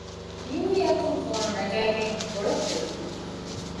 ޔޫރީ އަތުން ފޯނު ނަގައިގެން ކޮޅަސް ތެދުވި